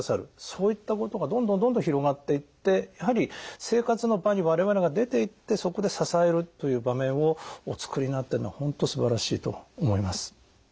そういったことがどんどんどんどん広がっていってやはり生活の場に我々が出ていってそこで支えるという場面をおつくりになっているのは本当すばらしいと思います。